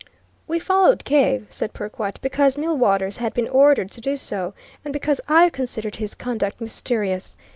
"We followed Cave," said Perkwite, "because Millwaters had been ordered to do so, and because I considered his conduct mysterious.